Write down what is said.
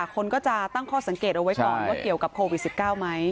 คนก็จะตั้งข้อสังเกตเอาไว้ก่อนว่าเกี่ยวกับโควิด๑๙ไหม